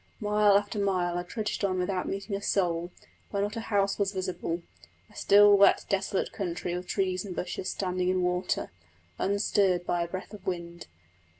Mile after mile I trudged on without meeting a soul, where not a house was visible a still, wet, desolate country with trees and bushes standing in water, unstirred by a breath of wind.